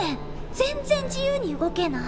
全然自由に動けない。